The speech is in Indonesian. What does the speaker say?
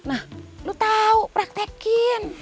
nah lu tau praktekin